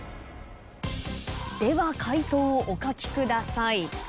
では解答をお書きください。